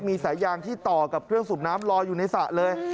มีสายยางที่ต่อกับเครื่องสูบน้ำลอยอยู่ในสระเลย